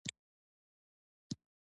روزګار یې خراب دی.